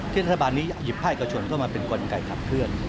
เทศบาลนี้หยิบภาคเอกชนเข้ามาเป็นกลไกขับเคลื่อน